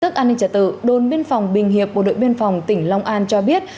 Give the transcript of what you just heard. tức an ninh trả tự đồn biên phòng bình hiệp bộ đội biên phòng tỉnh long an cho biết